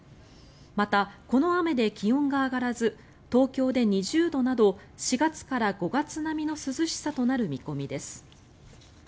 また、この雨で気温が上がらず東京で２０度など４月から５月並みの涼しさとなる見込みです。